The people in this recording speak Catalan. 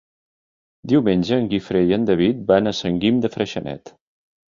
Diumenge en Guifré i en David van a Sant Guim de Freixenet.